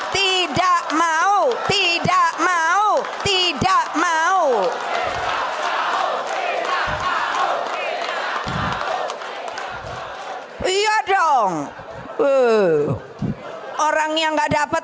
tidak mau tidak mau tidak mau tidak mau tidak mau tidak mau iya dong oh orang yang nggak dapet